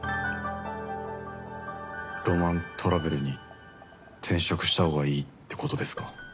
ロマントラベルに転職したほうがいいってことですか？